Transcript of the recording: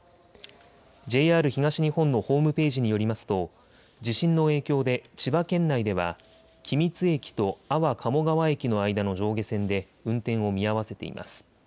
ＪＲ東日本のホームページによりますと、地震の影響で千葉県内では、君津駅と安房鴨川駅の間の上下線で運転を見合わせています。